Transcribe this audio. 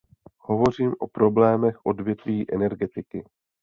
Hovořím o problémech odvětví energetiky.